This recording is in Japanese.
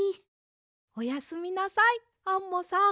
おやすみなさいアンモさん。